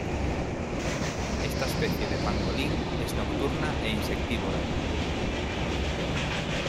Esta especie de pangolín es nocturna e insectívora.